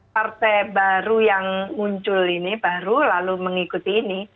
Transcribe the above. partai baru yang muncul ini baru lalu mengikuti ini